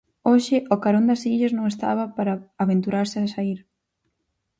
Hoxe o carón das illas non estaba para aventurarse a saír.